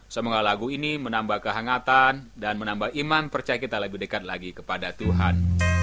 semoga lagu ini menambah kehangatan dan menambah iman percaya kita lebih dekat lagi kepada tuhan